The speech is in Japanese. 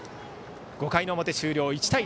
５回の表終了、１対０。